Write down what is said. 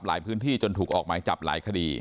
พื้นที่จนถูกออกหมายจับหลายคดี